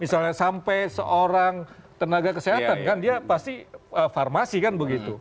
misalnya sampai seorang tenaga kesehatan kan dia pasti farmasi kan begitu